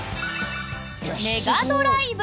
メガドライブ。